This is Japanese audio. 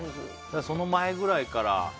その前ぐらいから。